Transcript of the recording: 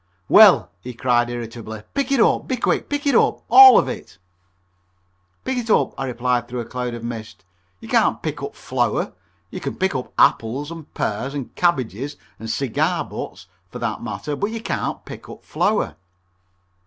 "Well," he cried irritably, "pick it up. Be quick. Pick it up all of it!" "Pick it up," I replied through a cloud of mist, "you can't pick up flour. You can pick up apples and pears and cabbages and cigarette butts for that matter, but you can't pick up flour."